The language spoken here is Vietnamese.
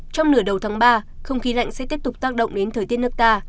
trong nửa đầu tháng ba không khí lạnh sẽ tiếp tục tác động đến thời tiết nước ta